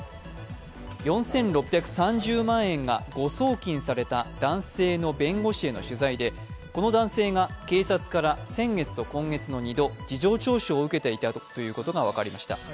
４６３０万円が誤送金された男性の弁護士への取材でこの男性が警察から先月と今月の２度、事情聴取を受けていたということが分かりました。